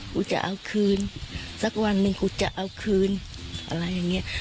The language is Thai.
กูจะเอาคืนสักวันหนึ่งกูจะเอาคืนอะไรอย่างนี้